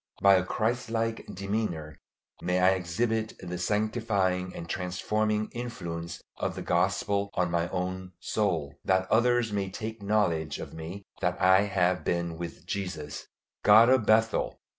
By a Christ like demeanor may I exhibit the sanctifying and transforming influence of the Gospel on my own soul, that others may take knowledge of me that I have been with Jesus. God of Bethel!